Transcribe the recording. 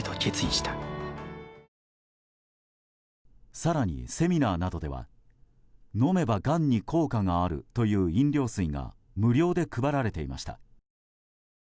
更にセミナーなどでは飲めばがんに効果があるという飲料水が無料で配られていました。